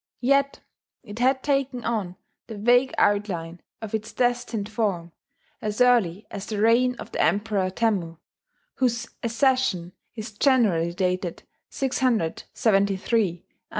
Yet it had taken on the vague outline of its destined form as early as the reign of the Emperor Temmu, whose accession is generally dated 673 A.D.